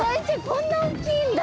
こんな大きいんだ。